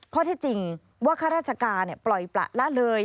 ข้อที่จริงว่าข้าราชการปล่อยประละเลย